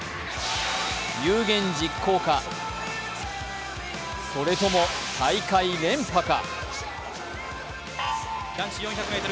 有言実行か、それとも大会連覇か。